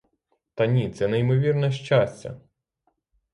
Та ні, це неймовірне щастя!